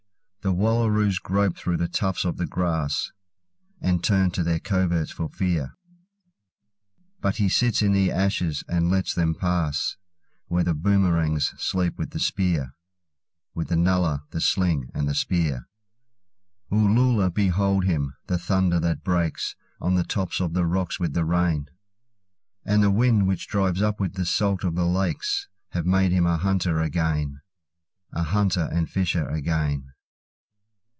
The wallaroos grope through the tufts of the grass, And turn to their covers for fear; But he sits in the ashes and lets them passWhere the boomerangs sleep with the spear—With the nullah, the sling, and the spear. Uloola, behold him! The thunder that breaksOn the top of the rocks with the rain, And the wind which drives up with the salt of the lakes, Have made him a hunter again—A hunter and fisher again.